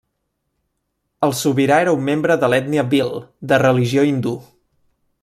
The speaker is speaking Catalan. El sobirà era un membre de l'ètnia bhil, de religió hindú.